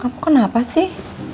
kamu kenapa sih